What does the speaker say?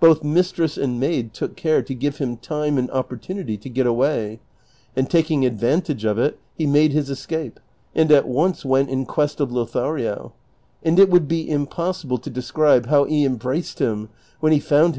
Both mistress and maid took care to give him time and opportunity to get away, and taking advantage of it he made his escape, and at once went in quest of Lothario, and it would be impossible to de scribe how he embi aced him when he found him, am!